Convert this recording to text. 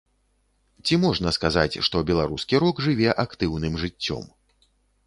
Ці можна сказаць, што беларускі рок жыве актыўным жыццём?